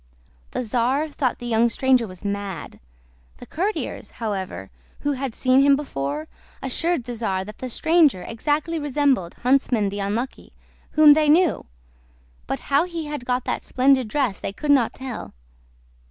The czar thought the young stranger was mad; the courtiers, however, who had seen him before, assured the czar that the stranger exactly resembled Huntsman the Unlucky, whom they knew; but how he had got that splendid dress they could not tell.